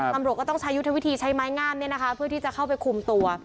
ตำรวจก็ต้องใช้ยุทธวิธีใช้ไม้งามเพื่อที่จะเข้าไปคุมตัว